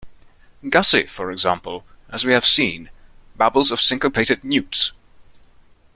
Gussie, for example, as we have seen, babbles of syncopated newts.